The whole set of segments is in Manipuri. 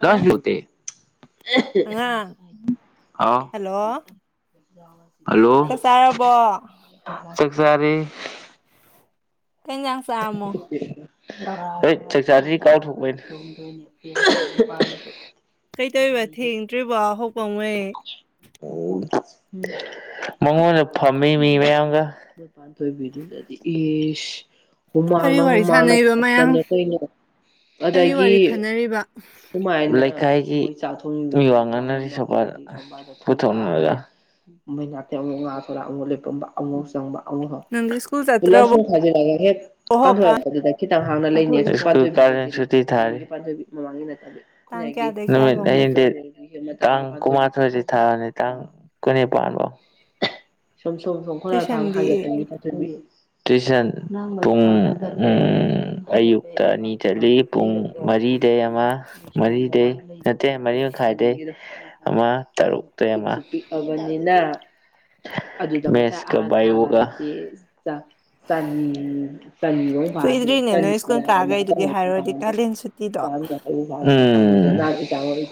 ꯑꯣ ꯂꯁ ꯂꯇ ꯑꯉꯥꯡ ꯑꯥꯎ ꯍꯜꯂꯣ ꯍꯂꯣ ꯆꯥꯛ ꯆꯥꯔꯕꯣ ꯁꯔꯤ ꯀꯩꯅ [inaudible] ꯍꯣꯏ ꯆꯥꯛꯆꯥꯁꯤ ꯀꯥꯎꯊꯣꯛꯄꯩꯅꯦ ꯀꯩꯗꯧꯔꯤꯕ ꯊꯦꯡ ꯏꯟꯇ꯭ꯔꯤꯕꯔꯤꯕ ꯑꯍꯄꯝꯦ ꯎ ꯃꯉꯣꯟꯗ ꯐꯝꯃꯤ ꯃꯤ ꯃꯌꯥꯝꯒ ꯄꯥꯟꯊꯕꯤꯗꯨꯗꯤ ꯏꯁ ꯀꯔꯤ ꯍꯨꯃꯥꯡꯅ ꯋꯥꯔꯤ ꯍꯨꯃꯥꯡꯅ ꯁꯥꯟꯅꯔꯤꯕ ꯃꯌꯥꯝ ꯐꯠꯄꯅꯦ ꯀꯩꯅꯣ ꯀꯔꯤ ꯋꯥꯔꯤ ꯑꯗꯒꯤ ꯈꯟꯅꯔꯤꯕ ꯁꯃꯥꯏ ꯂꯩꯀꯥꯏꯒꯤ ꯆꯥꯛꯊ ꯋꯥꯡ ꯉꯥꯡꯅꯔꯤ ꯁ ꯄꯨꯊꯣꯛꯅꯔꯒ ꯃ ꯉꯅꯥꯇꯤ ꯑꯃꯨꯛ ꯉꯥ ꯈꯔ ꯑꯃꯨꯛ ꯂꯦꯞꯄꯝꯕ ꯑꯃꯨꯛ ꯆꯪꯕ ꯑꯣ ꯍꯣ ꯅꯪꯗꯤ ꯁ꯭ꯀꯨꯜ ꯨꯂꯕ ꯆꯠꯇ꯭ꯔꯕꯣ ꯁꯨꯝ ꯈꯥꯖꯦ ꯂꯒꯦ ꯍꯦ ꯀꯥꯟ ꯍꯧꯀꯥꯟ ꯁꯥꯁꯄ ꯈꯤꯇꯪ ꯍꯥꯡꯅ ꯂꯩꯅꯤꯃꯥꯡ ꯇꯥꯡ ꯀꯌꯥꯗꯩ ꯀꯌꯥꯐꯧꯉꯩ ꯅ ꯇꯥꯡ ꯀꯨꯟꯃꯥꯊꯣꯏꯗꯤ ꯊꯥꯔꯅꯤ ꯇꯥꯡ ꯀꯨꯟꯅꯤꯄꯥꯟꯐꯥꯎ ꯁꯣꯝ ꯁꯨꯝ ꯁꯨꯝ ꯈꯅꯔ ꯈꯥꯝ ꯍꯥꯏ ꯇꯨꯏꯁꯟꯗꯤ ꯇ ꯇꯨꯏꯁꯟ ꯄꯨꯡ ꯑꯌꯨꯛꯇ ꯑꯅꯤ ꯆꯠꯂꯤ ꯄꯨꯡ ꯃꯔꯤꯗꯩ ꯑꯃ ꯃꯔꯤꯗꯩ ꯅꯠꯇꯦ ꯃꯔꯤ ꯃꯈꯥꯏꯗꯩ ꯑꯃ ꯇꯔꯨꯛꯇ ꯑꯃ ꯄꯤꯛꯑꯕꯅꯤꯅ ꯃꯦꯠꯁꯀ ꯕꯥꯏꯑꯣꯒ ꯇꯟꯗꯅ ꯄꯥꯗꯔꯦ ꯀꯨꯏꯗ꯭ꯔꯤꯅꯦ ꯇꯟ ꯅꯣꯏ ꯁ꯭ꯀꯨꯜ ꯄꯤꯔꯛꯑꯒꯅ ꯀꯥꯈꯩꯗꯨꯒꯤ ꯍꯥꯏꯔꯨꯔꯗꯤ ꯑꯀꯪꯕ ꯀꯥꯂꯦꯟ ꯁꯨꯇꯤꯗꯣ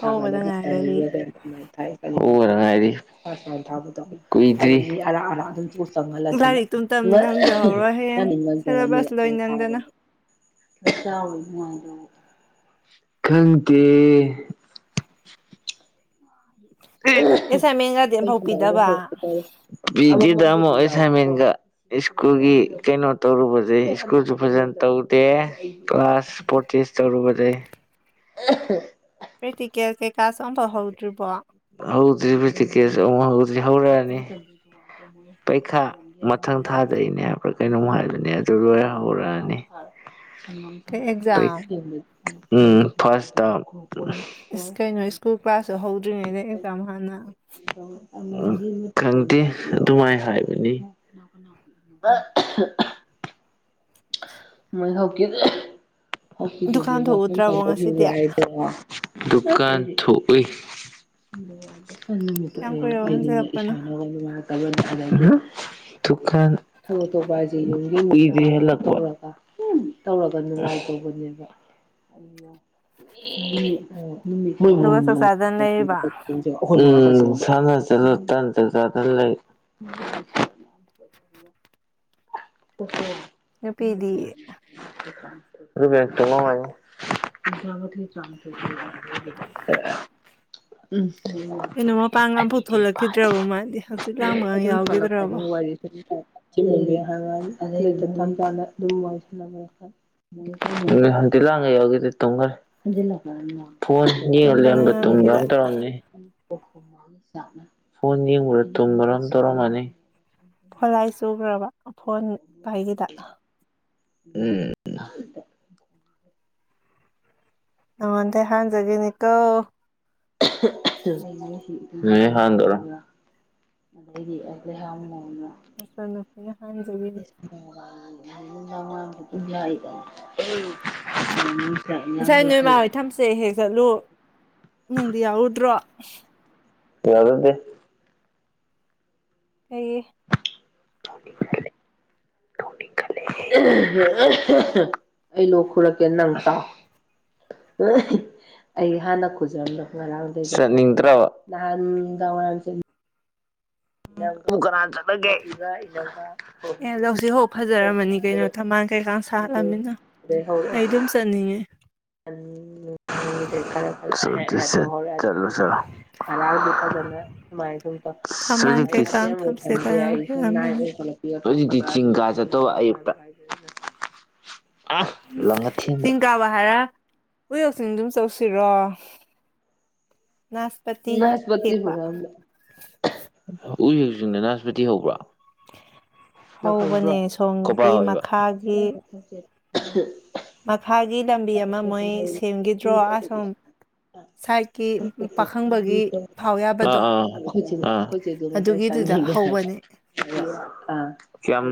ꯍꯧꯕꯗ ꯑꯝ ꯉꯥꯏꯒꯔꯤ ꯍꯧꯕꯅ ꯉꯥꯏꯔꯤ ꯀꯨꯏꯗ꯭ꯔꯤ ꯆꯪꯍꯜꯂꯁꯤꯅ ꯂꯥꯏꯔꯤꯛ ꯇꯨꯝ ꯇꯝ ꯅꯪꯖꯍꯧꯔꯣꯏ ꯍꯌꯦꯡ ꯉꯅꯤꯡ ꯉꯟꯖꯔꯅꯤ ꯁꯦꯂꯦꯕꯁ ꯂꯣꯏ ꯅꯪꯗꯅ ꯊꯥꯕꯅꯤ ꯈꯪꯗꯦ ꯑꯦꯁꯥꯏꯟꯃꯦꯟꯒꯗꯤ ꯑꯝꯐꯥꯎ ꯄꯤꯗꯕ ꯄꯤꯗꯤꯑꯦꯐ ꯊꯥꯔꯝꯃꯣ ꯑꯦꯁꯥꯏꯟꯃꯦꯟꯒ ꯁ꯭ꯀꯨꯜꯒꯤ ꯀꯩꯅꯣ ꯇꯧꯔꯨꯕꯁꯦ ꯁ꯭ꯀꯨꯜꯁꯨ ꯐꯖꯅ ꯇꯧꯗꯦ ꯀ꯭ꯂꯥꯁ ꯄ꯭ꯔꯣꯇꯦꯁ꯭ꯠ ꯇꯧꯔꯨꯕꯗꯩ ꯄ꯭ꯔꯦꯛꯇꯤꯀꯦꯜ ꯀꯩꯀꯥꯁꯨ ꯑꯝꯐꯨꯛ ꯍꯧꯗ꯭ꯔꯤꯕꯣ ꯍꯧꯗ꯭ꯔꯤ ꯄ꯭ꯔꯦꯛꯇꯤꯀꯜꯁꯨ ꯑꯝꯐꯨꯛ ꯍꯧꯗ꯭ꯔꯤ ꯍꯧꯔꯛꯑꯅꯤ ꯄꯩꯈꯥ ꯃꯊꯪ ꯊꯥꯗꯩꯅꯦ ꯍꯥꯏꯕ꯭ꯔꯥ ꯀꯩꯅꯣꯝ ꯍꯥꯏꯕꯅꯦ ꯑꯗꯨ ꯂꯣꯏꯔ ꯍꯧꯔꯛꯑꯅꯤ ꯀꯩ ꯄꯩ ꯑꯦꯛꯖꯥꯝ ꯑꯝ ꯐꯔꯁ꯭ꯠ ꯇꯔꯝ ꯏꯁ ꯀꯩꯅꯣ ꯁ꯭ꯀꯨꯜ ꯀ꯭ꯂꯥꯁꯁꯨ ꯍꯧꯗ꯭ꯔꯤꯉꯩꯗ ꯑꯦꯛꯖꯥꯝ ꯍꯥꯟꯅ ꯈꯪꯗꯦ ꯑꯗꯨꯃꯥꯏꯅ ꯍꯥꯏꯕꯅꯤ ꯕꯦ ꯍꯧꯀꯤ ꯍꯧꯀꯤꯗꯗꯤ ꯗꯨꯀꯥꯟ ꯊꯣꯛꯎꯗ꯭ꯔꯕꯣ ꯉꯁꯤꯗꯤ ꯃꯐꯝ ꯗꯨꯀꯥꯟ ꯊꯣꯛꯎꯏ ꯅꯨꯃꯤꯠꯇꯣ ꯀꯌꯥꯝ ꯑꯩ ꯀꯨꯏꯔꯕ ꯑꯩꯗꯤꯅꯦ ꯍꯟꯖꯜꯂꯛꯄꯅꯣ ꯏꯁꯥ ꯉꯥꯏ ꯗꯨꯀꯥꯟ ꯀꯨꯏꯗ꯭ꯔꯤ ꯍꯟꯂꯛ ꯇꯧꯔꯒ ꯎ ꯇꯧꯔꯒ ꯅꯨꯡꯉꯥꯏꯇꯧꯕꯅꯦꯕ ꯃꯣꯏ ꯑꯗꯨꯒ ꯆꯥꯛ ꯆꯥꯗꯅ ꯂꯩꯔꯤꯕ ꯃꯑꯣꯡ ꯎꯝ ꯁꯥꯅ ꯆꯠꯂꯥ ꯇꯥꯟꯗ ꯆꯗ ꯂꯩ ꯅꯨꯄꯤꯗꯤ ꯑꯗꯨꯒ ꯇꯨꯃꯝꯃꯣ ꯍꯥꯏꯌꯨ ꯎꯝ ꯀꯩꯅꯣ ꯃꯤꯅꯤꯠ ꯃꯄꯥꯟꯒ ꯑꯝꯐꯥꯎ ꯑꯅꯤꯗꯤ ꯐꯗꯦ ꯊꯣꯛꯂꯛꯈꯤꯗ꯭ꯔꯕꯣ ꯃꯥꯗꯤ ꯍꯛꯆꯤꯠ ꯂꯥꯡꯕꯒ ꯑꯗꯨꯝ ꯇꯜꯂꯛꯄꯒꯤ ꯌꯥꯎꯈꯤꯗ꯭ꯔꯕꯣ ꯋꯥꯔꯤꯅꯦ ____ꯑꯗꯨꯝ ꯋꯥꯔꯤ ꯁꯥꯅꯕꯒꯤ ꯂꯥꯡꯗ___ ꯇꯨꯝꯈ꯭ꯔꯦ ꯐꯣꯟ ꯌꯦꯡꯉꯥ ꯇꯨꯝꯕꯅ ꯂꯩꯕ ꯉꯝꯈꯤꯗ ꯇꯨꯝꯕ꯭ꯔꯃ ꯇꯧꯔꯝꯅꯤ ꯐꯣꯟ ꯌꯦꯡꯕ꯭ꯔꯥ ꯇꯨꯝꯕ꯭ꯔ ꯑꯃ ꯇꯧꯔꯝꯃꯅꯤ ꯐꯣꯟ ꯂꯥꯏ ꯆꯨꯈ꯭ꯔꯕ ꯐꯣꯟ ꯄꯥꯏꯒꯤꯗ ꯎꯝ ꯅꯪꯉꯣꯟꯗꯩ ꯍꯥꯟꯖꯈꯤꯅꯤꯀꯣ ꯅꯪ ꯍꯦꯛ ꯍꯥꯟꯂꯨꯔꯣ ꯑꯩꯗꯤ ꯑꯩ ꯂꯩꯍꯥꯛ ꯃꯋꯣꯡꯗ ꯅꯆꯟ ꯅꯨꯄꯤꯅ ꯍꯥꯟꯖꯈꯤꯖꯅꯤ ꯉꯁꯥꯏ ꯅꯣꯏ ꯏꯃꯥ ꯍꯣꯏ ꯊꯝꯆꯦꯠ ꯍꯦꯛ ꯆꯠꯂꯨ ꯅꯪꯗꯤ ꯌꯥꯎꯔꯨꯗ꯭ꯔꯣ ꯌꯥꯎꯔꯨꯗꯦ ꯐꯩꯌꯦ ꯑꯩ ꯂꯣꯛ ꯈꯨꯔꯛꯀꯦ ꯅꯪ ꯇꯥꯎ ꯑꯩ ꯍꯥꯟꯅ ꯈꯨꯖꯔꯝꯕ ꯍꯥꯟꯅꯗꯒꯤ ꯉꯔꯥꯡꯗꯒꯤ ꯆꯠꯅꯤꯡꯗ꯭ꯔꯕ ꯅꯍꯥꯟ ꯅꯨꯡꯗꯥꯡ ꯋꯥꯔꯝꯗꯒꯤ ꯑꯗꯨꯕꯨ ꯀꯅꯥꯅ ꯆꯠꯅꯒꯦ ꯑꯦ ꯂꯧꯁꯤ ꯍꯥꯎ ꯐꯖꯔꯝꯃꯅꯤ ꯀꯩꯅꯣ ꯊꯝꯕꯥꯜ ꯀꯩꯀꯥ ꯁꯥꯠꯂꯃꯅꯤꯅ ꯑꯩ ꯑꯗꯨꯝ ꯆꯠꯅꯤꯡꯉꯦ ꯀꯔ ꯐ ꯆꯣ ꯐ ꯊꯝꯕꯥꯜ ꯀꯩꯀꯥꯡ ꯆꯗꯤꯁ ꯊꯝꯆꯦꯠꯀ ꯌꯥꯝ ꯍꯦꯛꯑꯝꯕꯅꯤ ꯍꯧꯖꯤꯛꯇꯤ ꯆꯤꯡ ꯀꯥ ꯆꯠꯇꯧꯕ ꯑꯌꯨꯛꯇ ꯑ ꯂꯪ ꯑꯊꯦꯟꯗ ꯇꯥꯕ ꯍꯥꯏꯔ ꯎ ꯌꯣꯛꯁꯤ ꯑꯗꯨꯝ ꯆꯧꯁꯤꯔꯣ ꯅꯥꯁꯄꯇꯤ ꯅꯥꯁꯄꯇꯤ ꯍꯦꯛꯄ ꯍ ꯎꯦꯛ ꯆꯤꯡꯗ ꯅꯥꯁꯄꯇꯤ ꯍꯧꯕ꯭ꯔꯥ ꯅꯪ ꯈꯪꯗ꯭ꯔꯣ ꯍꯧꯕꯅꯦ ꯁꯣꯝꯒꯤ ꯃꯈꯥꯒꯤ ꯊꯝꯆ‌ꯦꯠ ꯃꯈꯥꯒꯤ ꯂꯝꯕꯤ ꯑꯃ ꯃꯣꯏ ꯁꯦꯝꯈꯤꯗ꯭ꯔꯣ ꯑꯁꯣꯝ ꯁꯥꯏꯠꯀꯤ ꯄꯥꯈꯪꯕꯒꯤ ꯆꯦ ꯐꯥꯎ ꯌꯥꯕꯗꯣ ꯑꯗꯨ ꯃ ꯑꯗꯨꯒꯤꯗꯨꯗ ꯀꯩꯁ ꯍꯧꯕꯅꯦ ꯌꯥꯝ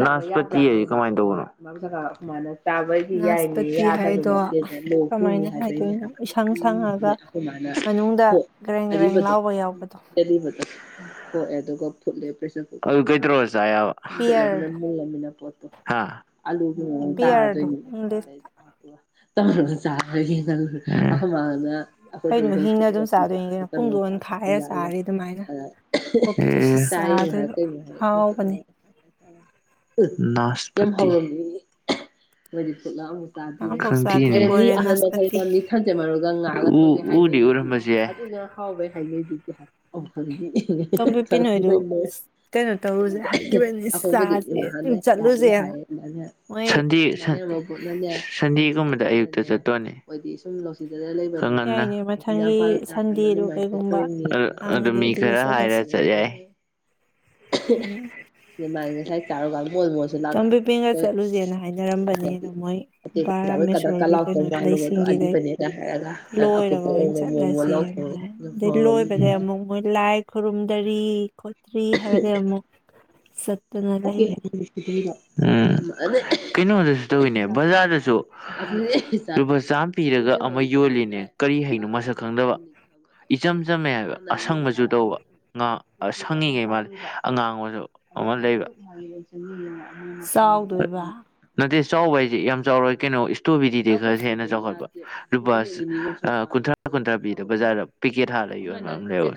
ꯅꯥꯁꯄꯠꯇꯤ ꯀꯃꯥꯏꯅ ꯇꯧꯕꯅꯣ ꯆꯥꯕꯩꯗꯤ ꯌꯥꯏꯅꯦ ꯅꯥꯁꯄꯇꯤ ꯌꯥꯗꯕ ꯍꯥꯏꯗꯣ ꯃꯆꯦꯗ ꯂꯣꯛ ꯊꯨꯡꯅꯤ ꯀꯃꯥꯏꯅ ꯍꯥꯏꯕꯩꯅꯦ ꯍꯥꯏꯗꯣꯏꯅꯣ ꯍꯥꯏꯕ ꯃꯅ ꯗ ꯒ꯭ꯔꯦꯡ ꯒ꯭ꯔꯦꯡ ꯂꯥꯎꯕ ꯌꯥꯎꯕꯗꯣ ꯣꯛꯑꯦ ꯑꯗꯨꯒ ꯐꯨꯠꯂꯦ ꯄ꯭ꯔꯦꯁꯔ ꯀꯨꯔ ꯑꯗꯨ ꯀꯩꯗꯧ ꯆꯥ ꯌꯥꯕ ꯍꯟꯒꯠꯂꯕꯅ ꯄꯤꯌꯔꯗꯣ ꯃꯨꯂꯃꯤꯅ ꯄꯣꯠꯇꯣ ꯑꯂꯨꯒꯨꯝꯕꯝ ꯄꯤꯌꯔꯗꯣ ꯇꯥꯗꯣꯏꯅꯦꯕ ꯏꯪꯂꯤꯁ ꯑꯗꯩꯗꯤꯄ ꯇꯧꯅ ꯆꯥꯒꯦ ꯑ ꯃꯥꯅ ꯀꯩꯅꯣ ꯍꯤꯡꯅ ꯑꯗꯨꯝ ꯑꯩꯈꯣꯏ ꯆꯥꯗꯣꯏꯅꯤ ꯀꯩꯅꯣ ꯄꯨꯡꯗꯣꯟ ꯔ ꯈꯥꯏꯔ ꯆꯥꯔꯤ ꯑꯗꯨꯃꯥꯏꯅ ꯑ ꯑꯣꯛꯀꯤꯗꯨꯁꯨ ꯆ ꯆꯥꯗꯣꯏꯕ ꯍꯥꯎꯕꯅꯦ ꯀꯩ [unintelligible] [unintelligible] [inaudible] ꯉꯔꯥꯡꯐꯥꯎ ꯆꯥꯗ꯭ꯔꯤꯕ ꯑꯣꯏꯔꯦ ꯑꯍꯥꯟꯕ ꯅꯥꯁꯄꯇꯤ ꯉꯍꯔꯝꯃꯦ ꯍꯥꯎꯕꯩ ꯍꯥꯏꯅꯩꯗꯤ ꯇꯣꯝꯕꯤ ꯄꯤꯅꯣꯏꯗꯨ ꯀꯩꯅꯣ ꯇꯧꯔꯨꯁꯦ ꯍꯥꯏꯈꯤꯕꯅꯤ ꯑꯩꯈꯣꯏ ꯃꯗꯤ ꯆꯥꯁꯦ ꯋꯥꯅꯦ ꯆꯠꯂꯨꯁꯦꯅ ꯍꯥꯏ ꯃꯣꯏ ꯁꯟꯅꯦ ꯁꯟꯗꯦꯒꯨꯝꯕꯗ ꯑꯌꯨꯛꯇ ꯆꯠꯇꯣꯅꯦꯗꯤꯝ ꯁꯟꯗꯦꯗꯨ ꯀꯩꯒꯨꯝꯕ ꯍꯥꯡꯉꯗꯤ ꯑꯗꯨꯗ ꯍꯥꯏ ꯆꯠꯂꯁ ꯑꯗꯨꯃꯥꯏꯅ ꯎꯝ ꯃꯥꯏ ꯀ ꯀꯥꯡꯣꯒꯕꯨ ꯇꯣꯝꯕꯤꯄꯤꯟꯒ ꯃ ꯆꯠꯂꯨꯁꯦꯅ ꯍꯥꯏꯅꯔꯝꯕꯅꯦ ꯑꯗꯣ ꯃꯣꯏ ꯍꯥꯏꯗꯤ ꯀꯗ꯭ꯔ ꯕꯥꯔꯥꯃꯦꯁꯣꯔꯒꯤ ꯀꯂ ꯀꯩꯅꯣ ꯃꯥ ꯂꯩꯁꯤꯡꯒꯤꯗꯩ ꯑꯕꯅꯦ ꯍꯥꯏꯦꯒ ꯑ ꯃꯣ ꯂꯣꯏꯕꯗ ꯑꯃꯛ ꯃꯣꯏ ꯂꯥꯏ ꯈꯨꯔꯨꯝꯗ꯭ꯔꯤ ꯈꯣꯠꯇ꯭ꯔꯤ ꯍꯥꯏꯕꯗꯤ ꯑꯃꯨꯛ ꯆꯠꯇꯅ ꯎꯝ ꯂꯩꯔꯦ ꯀꯩꯅꯣꯗꯁꯨ ꯇꯧꯋꯤꯅꯦ ꯕꯖꯥꯔꯗꯁꯨ ꯂꯨꯄꯥ ꯆꯥꯝꯃ ꯄꯤꯔꯒ ꯑꯃ ꯌꯣꯜꯂꯤꯅꯦ ꯀꯔꯤ ꯍꯥꯏꯩꯅꯣ ꯃꯁꯛ ꯈꯪꯗꯕ ꯏꯆꯝ ꯆꯝꯃꯦ ꯍꯥꯏꯕ ꯑꯁꯪꯕꯁꯨ ꯇꯧꯕ ꯉꯥ ꯁꯪꯉꯤꯈꯩ ꯃꯥꯜꯂꯤ ꯑꯉꯥꯡꯕꯁꯨ ꯑꯃ ꯂꯩꯕ ꯆꯥꯎꯗꯣꯏꯕ ꯅꯠꯇꯦ ꯆꯥꯎꯕ ꯍꯥꯏꯁꯦ ꯌꯥꯝ ꯆꯥꯎꯔꯣꯏ ꯀꯩꯅꯣ ꯏꯁꯇ꯭ꯔꯣꯕꯦꯔꯤꯗꯤ ꯈꯔꯁꯨ ꯍꯦꯟꯅ ꯆꯥꯎꯈꯠꯄ ꯔꯨꯄꯥꯁ ꯀꯨꯟꯊ꯭ꯔꯥ ꯀꯨꯟꯊ꯭ꯔꯥ ꯄꯤꯗ ꯕꯖꯥꯔꯗ ꯄꯤꯀꯦꯠ ꯍꯥꯔꯂ ꯌꯝ ꯂꯩꯔꯋꯦ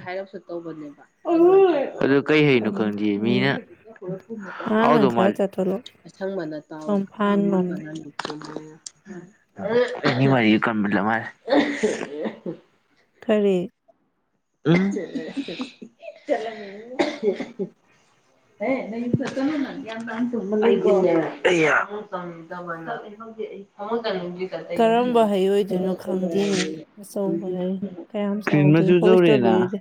ꯑꯗꯨ ꯀꯩ ꯍꯥꯏꯅꯣ ꯈꯪꯗꯦ ꯃꯤꯅ ꯉꯔꯥꯡ ꯅꯪ ꯃꯥ ꯈꯔ ꯆꯠꯊꯣꯛꯂꯛꯑꯣ ꯑꯁꯪꯕꯅ ꯇꯦ ꯁꯣꯝ ꯐꯥꯟ ꯂꯣꯝꯗ ꯏꯅꯤ ꯃꯔꯤ ꯀꯂ ꯃꯥꯔ ꯈꯔꯤ ꯎꯝ [unintelligible] [unintelligible] [unintelligible] ꯍ ꯇꯥꯅ ꯀꯔꯝꯕ ꯍꯩ ꯑꯣꯏꯗꯣꯏꯅꯣ ꯈꯪꯗꯦꯅꯦ ꯑꯆꯧꯕ ꯍꯩ ꯀꯌꯥꯝ ꯀ꯭ꯔꯤꯃꯁ ꯆꯥꯎꯗꯣꯏꯅꯣ ꯌ ꯍꯣꯏ ꯏꯁꯇ꯭ꯔꯣꯕꯦꯔꯤꯗꯣ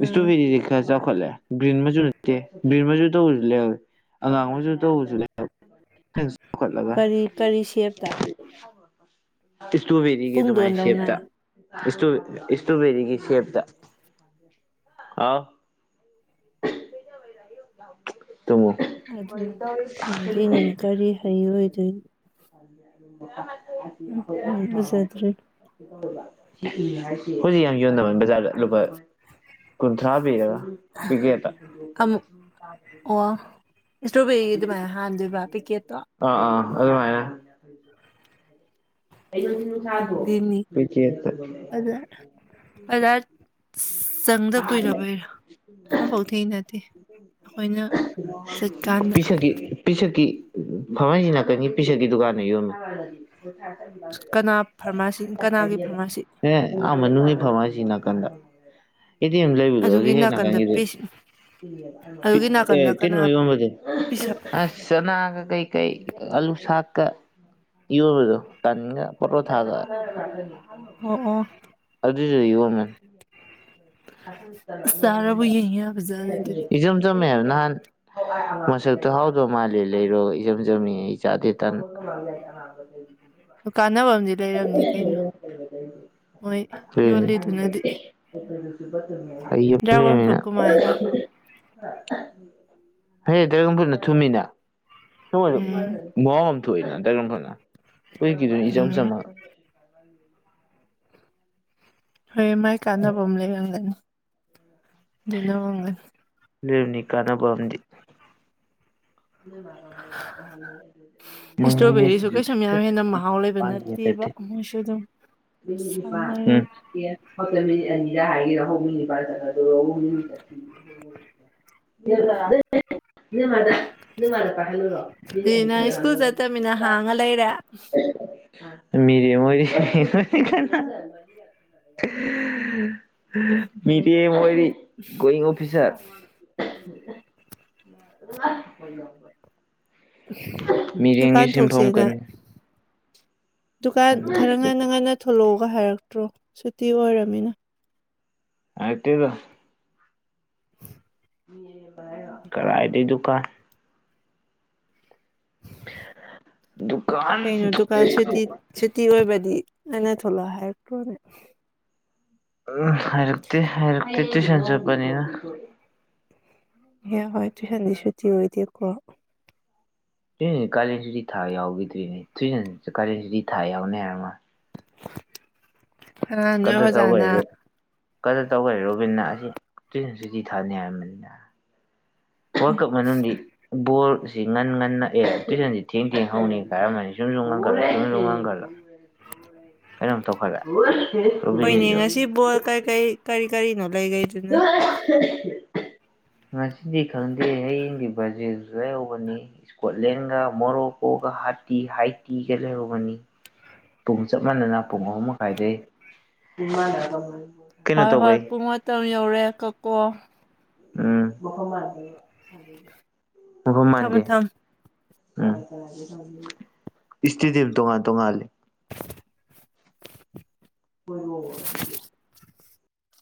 ꯏꯁꯣ ꯑꯥ ꯐ ꯗꯤ ꯈꯔ ꯆꯥꯎꯈꯠꯂꯦ ꯒ꯭ꯔꯤꯟ ꯃꯆꯨ ꯅꯠꯇꯦ ꯒ꯭ꯔꯤꯟ ꯃꯆꯨ ꯇꯧꯕꯁꯨꯦ ꯑꯉꯥꯡ ꯑꯣꯏꯁꯨ ꯇꯧꯕꯁꯨ ꯐꯨꯠꯂꯒ ꯀꯔꯤ ꯀꯔꯤ ꯁꯦꯞꯇ ꯏꯁꯇ꯭ꯔꯣꯕꯦꯔꯤꯒꯤ ꯇꯣꯦ ꯄꯨꯡꯗꯣꯟꯗꯧꯅ ꯁꯦꯞꯇ ꯏꯁꯇꯣ ꯏꯁꯇ꯭ꯔꯣꯕꯦꯔꯤꯒꯤ ꯁꯦꯞ ꯗ ꯑꯥꯎ ꯇꯃꯣ ꯑꯗꯨ ꯈꯪꯗꯦꯅꯤ ꯀꯔꯤ ꯍꯩꯔꯗꯣꯏꯅꯤ ꯑꯩꯣꯏ ꯎꯝ ꯎꯖꯗ꯭ꯔꯤ ꯍꯧꯖꯤꯛ ꯌꯥꯝ ꯌꫭꯟꯅꯕꯅꯤ ꯕꯖꯥꯔꯗ ꯂꯨꯄꯥ ꯀꯨꯟꯊ꯭ꯔꯥ ꯄꯤꯔꯒ ꯄꯤꯀ‌ꯦꯠꯇ ꯏꯁꯇ꯭ꯔꯣꯕꯦꯔꯤꯒꯤ ꯑꯗꯨꯃꯥꯏꯅ ꯍꯥꯟꯗꯣꯏꯕ ꯄꯦꯛꯀꯦꯠꯇꯣ ꯑꯥ ꯑꯥ ꯑꯗꯨ ꯃꯥꯥꯏꯅ ꯑꯩ ꯁꯥꯥꯕꯣ ꯈꯪꯗꯦꯅꯤ ꯑ ꯑꯗ ꯑꯗ ꯆꯪꯗ ꯀꯨꯏꯔꯕꯩꯔꯥ ꯑꯝꯐꯥꯎ ꯊꯦꯡꯅꯗꯦ ꯑꯩꯈꯣꯏꯅ ꯆꯠꯀꯥꯟꯗ ꯄꯤꯁꯒꯤ ꯄꯤꯁꯛꯀꯤ ꯐꯃꯥꯏꯖꯤꯡ ꯅꯥꯀꯟꯒꯤ ꯄꯤꯁꯛꯀꯤ ꯗꯨꯀꯥꯟꯗ ꯌꯣꯟꯕ ꯀꯅꯥ ꯐꯥꯔꯃꯥꯁꯤ ꯀꯅꯥꯒꯤ ꯐꯥꯔꯃꯥꯁꯤ ꯑꯦ ꯑꯥ ꯃꯅꯨꯡꯒꯤ ꯐꯥꯃꯔꯁꯤ ꯅꯥꯀꯟꯗ ꯑꯦꯗꯤꯝ ꯂꯩꯕꯗꯣ ꯍꯧꯖꯤ ꯑꯗꯨꯒꯤ ꯍꯦꯛ ꯅꯥꯀꯟꯗ ꯅꯥꯀꯟꯒꯤ ꯄꯤꯁ ꯑꯗꯨꯒꯤ ꯑꯦ ꯅꯥꯀꯟꯗ ꯀꯅꯥ ꯇꯟꯅꯣꯝꯕꯗꯤ ꯄꯤꯁꯛ ꯑꯁ ꯆꯅꯥꯒ ꯀꯩꯀꯩ ꯑꯥꯂꯨ ꯁꯥꯥꯛꯀ ꯌꯣꯟꯕꯗꯣ ꯇꯟ ꯄꯔ ꯊꯥꯒ ꯑꯣ ꯑꯣ ꯑꯗꯨꯏꯗꯨ ꯌꯣꯟ ꯃ ꯆꯥꯔꯕꯨ ꯌꯦꯡ ꯌꯥꯕꯖꯥꯠꯅꯤ ꯑꯗꯨꯗꯤ ꯏꯆꯝ ꯆꯨꯝꯃ‌ꯦ ꯅꯍꯥꯟ ꯃꯁꯛꯇꯣ ꯍꯥꯎꯗꯧ ꯃꯥꯜꯂꯦ ꯂꯩꯔꯣꯒ ꯏꯆꯝ ꯆꯝꯃꯤ ꯑꯩ ꯆꯥꯗꯦ ꯇꯟ [unintelligible] ꯀꯥꯟꯅꯕ ꯑꯃꯗꯤ ꯂꯩꯔꯝꯅꯤ ꯀꯩꯅꯣ ꯃꯣꯏ ꯌꯣꯜꯂꯤꯗꯨꯅꯗꯤ ꯑꯦꯠꯇ ꯁꯤꯄꯥꯠꯇꯟꯅ [unintelligible] ꯌꯥꯒꯣꯟ ꯐꯨꯠ ꯀꯨꯃꯥꯏꯅ [unintelligible] ꯎꯝ ꯃꯍꯥꯎ ꯑꯃ ꯊꯣꯛꯏꯅ ꯗꯥꯏꯒꯟꯐꯨꯠꯅ ꯍꯧꯖꯤꯛꯀꯤꯗꯨꯅ ꯏꯆꯝ ꯎꯝ ꯆꯝꯃ ꯍꯣꯏ ꯃꯥꯏ ꯀꯥꯟꯅꯕ ꯑꯃ ꯂꯩꯔꯝꯒꯅꯤ ꯑꯗꯨꯅ ꯑꫭꯝꯒꯅꯤ ꯂꯩꯕꯅꯤ ꯀꯥꯟꯅꯕ ꯑꯝ ꯃꯥꯕꯨ ꯑꯣꯏ ꯏꯁꯇ꯭ꯔꯣꯕꯦꯔꯤꯁꯨ ꯀꯩꯁꯨ ꯌꯥꯝ ꯁꯨꯡꯆꯠ ꯍꯦꯟꯅ ꯃꯍꯥꯎ ꯂꯩꯕ ꯅꯠꯇꯦꯕ ꯃꯣꯏꯁꯨ ꯑꯗꯨꯝ ꯆꯥꯅꯔꯤ [unintelligible] [unintelligible] ꯑꯗꯨ ꯑꯃꯨꯛ ꯅꯣꯏ ꯃꯥꯗ ꯅꯣꯏ ꯃꯥꯗ ꯄꯥꯏꯍꯜꯂꯨꯔꯣ ꯃꯤꯗꯤ ꯑꯅꯤ ꯊꯍꯜꯂꯨꯔꯅꯦ ꯃꯤꯅ ꯍꯥꯡꯉ ꯂꯩꯔꯦ ꯃꯤꯔꯦ ꯑꯣꯏꯔꯤ ꯃꯤꯇꯦ ꯑꯣꯏꯔꯤ ꯒꯣꯌꯤꯡ ꯑꯣꯐꯤꯁꯔ ꯗꯨꯀꯥꯟ ꯃꯤꯔꯦꯝꯒꯤ ꯁꯤꯟꯐꯝ ꯊꯣꯛꯁꯦꯅ ꯀꯅꯤ ꯗꯨꯀꯥꯟ ꯈꯔ ꯉꯟꯅ ꯉꯟꯅ ꯊꯣꯂꯣꯑꯒ ꯍꯥꯏꯔꯛꯇ꯭ꯔꯣ ꯁꯨꯇꯤ ꯑꯣꯏꯔꯝꯃꯤꯅ ꯍꯥꯏꯔꯛꯇꯦꯗ ꯀꯔꯥꯏꯗꯩ ꯗꯨꯀꯥꯟ ꯗꯨꯀꯥꯟ ꯀꯩꯅꯣ ꯗꯨꯀꯥꯟ ꯁꯨꯇꯤ ꯁꯨꯠ ꯇꯤ ꯑꯣꯏꯕꯗꯤ ꯅꯪꯅ ꯊꯣꯛꯂꯣ ꯍꯥꯏꯔꯛꯇꯔꯣꯅꯦ ꯎꯝ ꯍꯥꯏꯔꯛꯇꯦ ꯍꯥꯏꯔꯛꯇꯦ ꯇꯨꯏꯁꯟ ꯆꯠꯄꯅꯤꯅ ꯏꯍꯩ ꯍꯣꯏ ꯇꯨꯏꯁꯟꯗꯤ ꯁꯨꯇꯤ ꯑꯣꯏꯗꯦꯀꯣ ꯗꯨꯏꯅꯦ ꯀꯥꯂꯦꯟ ꯁꯨꯇꯤ ꯊꯥ ꯌꯥꯎꯒꯤꯗ꯭ꯔꯤꯅꯦ ꯇꯨꯏꯁꯟꯁꯤꯗ ꯀꯥꯂꯦꯟ ꯁꯨꯇꯤ ꯊꯥ ꯌꯥꯎꯅꯦ ꯍꯥꯏꯔꯃ ꯑ ꯅꯣꯏ ꯀꯗꯔ ꯇꯧꯒꯔꯦ ꯑꯣꯖꯥꯅ ꯔꯣ ꯀꯗꯔ ꯇꯧꯒꯔꯦ ꯔꯣꯕꯤꯟꯅ ꯑꯁꯤ ꯇꯨꯏꯁꯟ ꯁꯨꯇꯤ ꯊꯥꯅꯤ ꯍꯥꯏꯔꯕꯅꯤꯅ ꯋꯥꯔꯜ ꯀꯞ ꯃꯅꯨꯡꯗꯤ ꯕꯣꯜꯁꯤ ꯉꯟ ꯉꯟꯅ ꯑꯦ ꯇꯨꯏꯁꯟꯖꯤ ꯊꯦꯡ ꯊꯦꯡ ꯍꯧꯅꯤ ꯀꯥꯏꯔꯝꯃꯅꯤ ꯁꯨꯝꯁꯨꯨꯝ ꯉꯟꯈꯠꯂꯛ ꯁꯨꯝꯁꯨꯨꯝ ꯉꯟꯈꯠꯂꯛ [unintelligible] [unintelligible] ꯐꯤꯕꯣꯜ ꯀꯩ ꯀꯩ ꯀꯔꯤ ꯀꯔꯤꯅꯣ ꯂꯩꯒꯩ [unintelligible] ꯉꯁꯤꯗꯤ ꯈꯪꯗꯦ ꯍꯌꯦꯡꯗꯤ ꯕꯔꯖꯤꯜꯖꯨ ꯂꯩꯍꯧꯕꯅꯤ ꯁꯀꯣꯠꯂꯦꯟꯒ ꯃꯣꯔꯣꯀꯣꯒ ꯍꯥꯇꯤ ꯍꯥꯏꯇꯤꯒ ꯂꯩꯍꯧꯕꯅꯤ ꯄꯨꯡ ꯆꯞ ꯃꯥꯟꯅꯅ ꯄꯨꯡ ꯑꯍꯨꯝ ꯃꯈꯥꯏꯗꯩ ꯀꯩꯅꯣ ꯍꯣꯏ ꯍꯣꯏ ꯇꯧꯕꯩ ꯄꯨꯡ ꯃꯇꯝ ꯌꯧꯔꯦ ꯀꯛꯀꯣ ꯎꯝ ꯃꯐꯝ ꯊꯝꯃꯣ ꯃꯥꯟꯗꯦ ꯊꯝꯃꯣ ꯎꯝ ꯏꯁꯇꯤꯗꯤꯝ ꯇꯣꯉꯥꯟ ꯇꯣꯡꯉꯥꯜꯂꯤ [unintelligible]